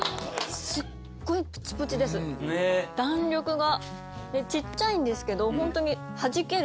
弾力が。